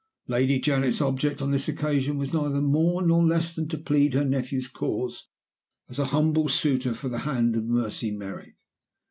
Lady Janet's object on this occasion was neither more nor less than to plead her nephew's cause as humble suitor for the hand of Mercy Merrick.